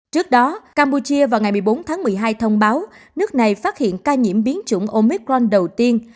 trước đó campuchia vào ngày một mươi bốn tháng một mươi hai thông báo nước này phát hiện ca nhiễm biến chủng omicron đầu tiên